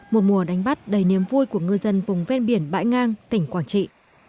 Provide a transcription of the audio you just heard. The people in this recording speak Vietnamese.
một mùa đánh bắt đầy niềm vui của ngư dân vùng ven biển bãi ngang tỉnh quảng trị